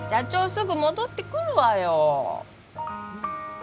すぐ戻ってくるわよ